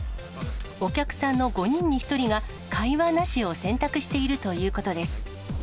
お客さんの５人に１人が会話なしを選択しているということです。